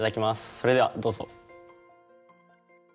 それではどうぞ。